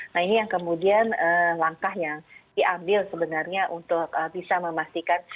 nah ini yang kemudian langkah yang diambil sebenarnya untuk bisa memastikan